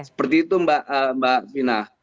seperti itu mbak fina